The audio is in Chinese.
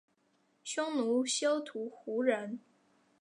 匈奴休屠胡人。